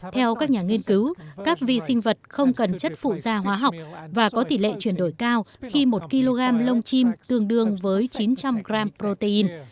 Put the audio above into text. theo các nhà nghiên cứu các vi sinh vật không cần chất phụ da hóa học và có tỷ lệ chuyển đổi cao khi một kg lông chim tương đương với chín trăm linh g protein